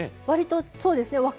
割とそうですね。